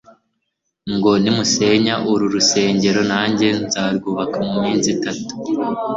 ngo :« nimusenya uni nisengero, nanjye nzarwubaka mu minsi itatu.`»